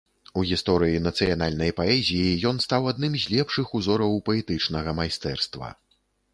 У гісторыі нацыянальнай паэзіі ён стаў адным з лепшых узораў паэтычнага майстэрства.